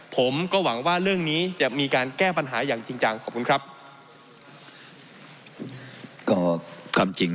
เพราะมันก็มีเท่านี้นะเพราะมันก็มีเท่านี้นะ